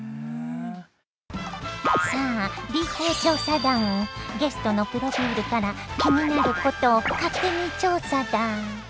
さあゲストのプロフィールから気になることを勝手に調査だ。